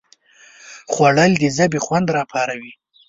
خوړل د ژبې خوند راپاروي